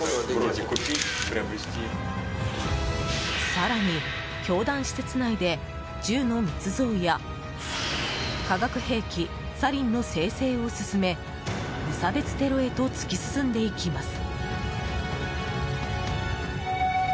更に、教団施設内で銃の密造や化学兵器サリンの生成を進め無差別テロへと突き進んでいきます。